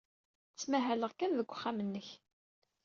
Ttmahaleɣ kan deg uxxam-nnek.